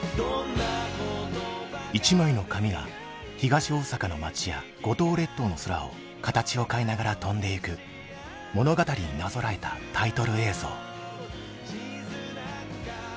一枚の紙が東大阪の街や五島列島の空を形を変えながら飛んでいく物語になぞらえたタイトル映像。